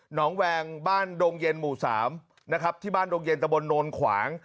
งแวงบ้านดงเย็นหมู่๓นะครับที่บ้านดงเย็นตะบนโนนขวาง